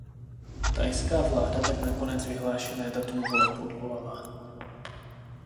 Thajská vláda tak nakonec vyhlášené datum voleb odvolala.